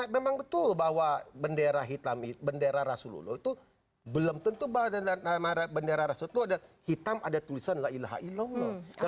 memang betul bahwa bendera hitam bendera rasulullah itu belum tentu bendera rasulullah itu ada hitam ada tulisan la ilaha illallah